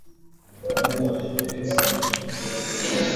mtoto aliyekuwa amesafirishwa